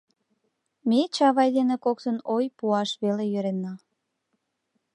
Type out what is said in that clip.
Ме Чавай дене коктын ой пуаш веле йӧрена.